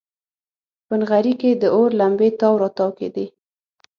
په نغري کې د اور لمبې تاو راتاو کېدې.